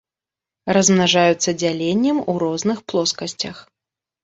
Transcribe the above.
Размнажаюцца дзяленнем у розных плоскасцях.